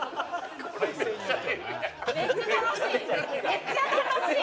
めっちゃ楽しい！